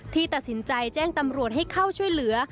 ที่ตัดสินใจแจ้งตำรวจให้เข้าช่วยเหลือ